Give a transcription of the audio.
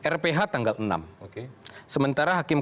rph tanggal enam sementara hakim